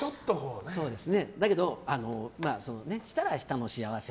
だけど、したらしたの幸せ。